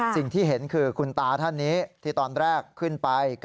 สิ่งที่เห็นคือคุณตาท่านนี้ที่ตอนแรกขึ้นไป